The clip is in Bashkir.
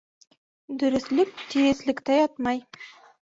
Дөрөҫлөк тиреҫлектә ятмай.